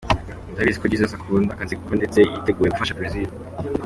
Ndabizi ko Jesus akunda akazi ke ndetse yiteguye gufasha Brazil.